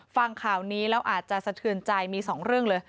ฟังข่าวนี้แล้วอาจจะสะเทือนใจมีสองเรื่องเลย